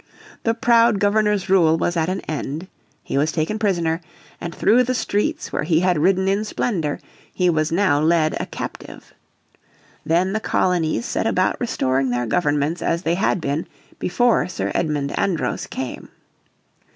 The proud Governor's rule was at an end. He was taken prisoner, and through the streets where he had ridden in splendour he was now led a captive. Then the colonies set about restoring their governments as they had been before Sir Edmund Andros came.